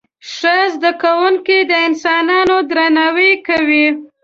ښه زده کوونکي د انسانانو درناوی کوي.